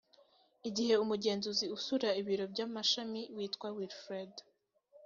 igihe umugenzuzi usura ibiro by amashami witwa wilfred